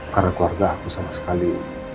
karena keluarga aku sama sekali